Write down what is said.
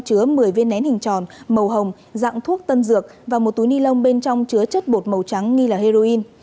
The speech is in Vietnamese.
chứa một mươi viên nén hình tròn màu hồng dạng thuốc tân dược và một túi ni lông bên trong chứa chất bột màu trắng nghi là heroin